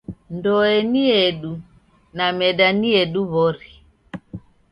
Ndoe ni yedu na meda ni yedu w'ori.